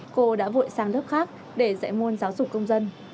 cô đã vội sang lớp khác để dạy môn giáo dục công dân